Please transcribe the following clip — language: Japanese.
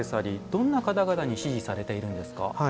どんな方々に支持されているんですか。